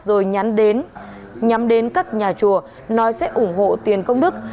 rồi nhắm đến nhắm đến các nhà chùa nói sẽ ủng hộ tiền công đức